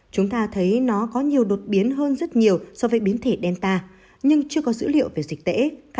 chúng ta thấy nó có nhiều đột biến hơn rất nhiều so với biến thể delta nhưng chưa có dữ liệu về dịch tễ